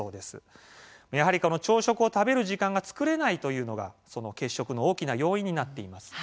やはりこの朝食を食べる時間が作れないというのが欠食の大きな要因になっています。